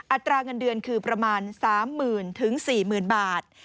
อัตราเงินเดือนคือประมาณ๓๐๐๐๔๐๐๐บาท